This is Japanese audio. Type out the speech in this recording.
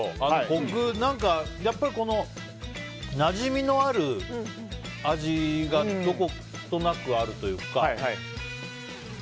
コク、何かやっぱり、なじみのある味がどことなくあるというか。